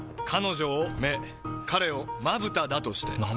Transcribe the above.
彼女を目彼をまぶただとして。